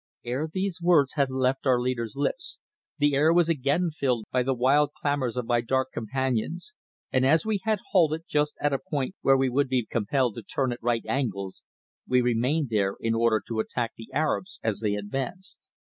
Ere these words had left our leader's lips, the air was again filled by the wild clamours of my dark companions, and as we had halted just at a point where we would be compelled to turn at right angles, we remained there in order to attack the Arabs as they advanced.